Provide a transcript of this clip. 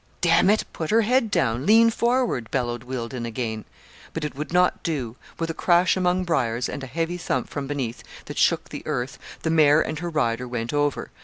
'D it! put her head down; lean forward,' bellowed Wealdon again. But it would not do. With a crash among briars, and a heavy thump from beneath that shook the earth, the mare and her rider went over.